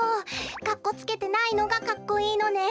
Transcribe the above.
かっこつけてないのがかっこいいのね。